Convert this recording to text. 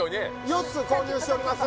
４つ購入しております